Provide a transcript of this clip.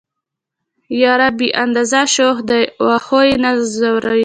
يره بې اندازه شوخ دي وخو يې نه ځورولئ.